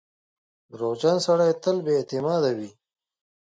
• دروغجن سړی تل بې اعتماده وي.